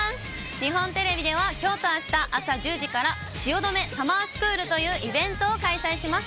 日本テレビでは、きょうとあした朝１０時から、汐留サマースクールというイベントを開催します。